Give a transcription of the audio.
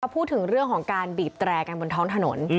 พูดถึงเรื่องของการบีบแตรกันบนท้องถนน